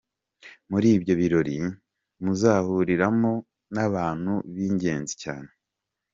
Muri ibyo birori muzahuriramo n’abantu b’ingenzi cyane.